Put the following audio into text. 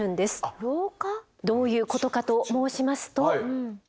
どういうことかと申しますと。